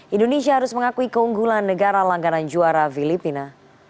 indonesia harus mengakui keunggulan negara langganan juara filipina